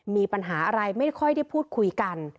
มีปัญหาอะไรไม่ค่อยได้พูดคุยกัน